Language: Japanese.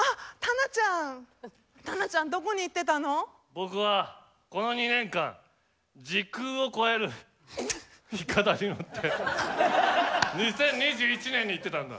僕はこの２年間時空を超えるいかだに乗って２０２１年に行ってたんだ。